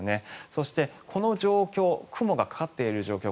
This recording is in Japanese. そして、この状況雲がかかっている状況